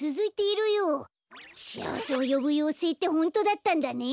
しあわせをよぶようせいってホントだったんだね！